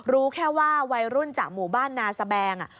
รู้แค่ว่าวัยรุ่นจากหมู่บ้านนาสแบง